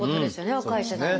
若い世代も。